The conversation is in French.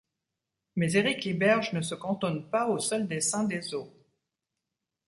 Mais Eric Liberge ne se cantonne pas au seul dessin des os.